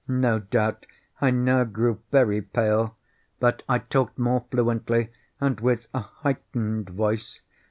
No doubt I now grew very pale;—but I talked more fluently, and with a heightened voice.